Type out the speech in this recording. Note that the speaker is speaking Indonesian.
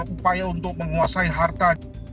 upaya untuk menguasai harta